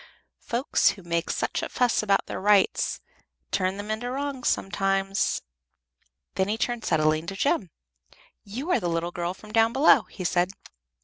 Folks who make such a fuss about their rights turn them into wrongs sometimes." Then he turned suddenly to Jem. "You are the little girl from down below," he said.